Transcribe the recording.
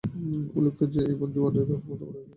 উল্লেখ্য যে, ইবন জুরায়জের এ ব্যাপারে মতভেদ রয়েছে।